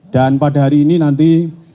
dan pada hari ini nanti